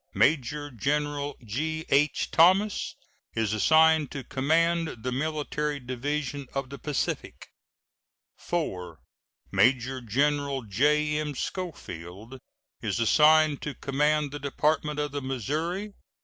Major General G.H. Thomas is assigned to command the Military Division of the Pacific. IV. Major General J.M. Schofield is assigned to command the Department of the Missouri.